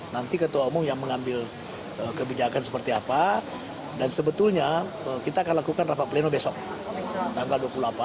nanti ketua umum yang mengambil kebijakan seperti apa dan sebetulnya kita akan lakukan rapat pleno besok tanggal dua puluh delapan